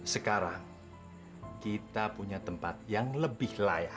sekarang kita punya tempat yang lebih layak